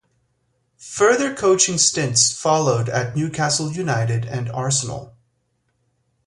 Further coaching stints followed at Newcastle United and Arsenal.